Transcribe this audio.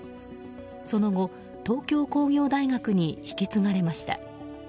その後、東京工業大学に引き継がれました。